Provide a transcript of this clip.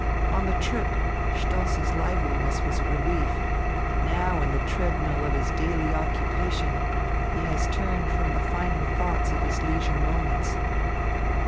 On the trip, Stoss's liveliness was a relief. Now, in the treadmill of his daily occupation, he has turned from the finer thoughts of his leisure moments.